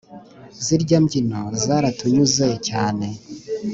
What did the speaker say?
zirya mbyino zaratunyuze cyane